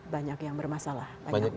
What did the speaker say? banyak yang bermasalah